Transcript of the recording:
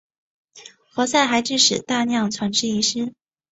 何塞还致使大量船只遗失。